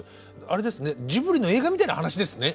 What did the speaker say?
ジブリの映画みたいな話ですね。